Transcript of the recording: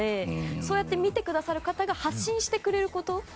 そうやって見てくださる方が発信してくれること。